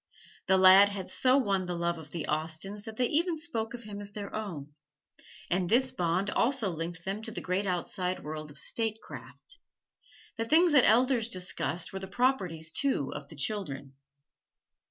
The lad had so won the love of the Austens that they even spoke of him as their own; and this bond also linked them to the great outside world of statecraft. The things the elders discussed were the properties, too, of the children.